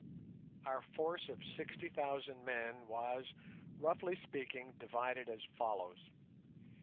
Our force of sixty thousand men was, roughly speaking, divided as follows.